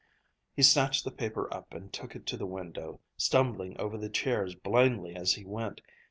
_" He snatched the paper up and took it to the window, stumbling over the chairs blindly as he went.